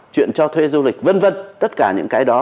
chuyện cho thuê du lịch v v tất cả những cái đó